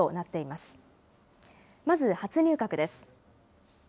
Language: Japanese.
まず初入閣です。